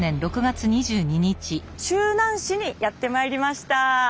周南市にやってまいりました。